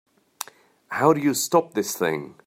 How do you stop this thing?